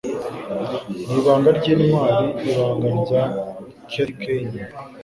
Ni Ibanga ry'Intwari Ibanga rya Kathy Kain?